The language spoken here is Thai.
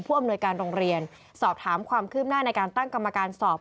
อำนวยการโรงเรียนสอบถามความคืบหน้าในการตั้งกรรมการสอบ